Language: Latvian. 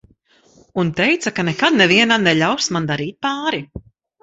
Un teica, ka nekad nevienam neļaus man darīt pāri.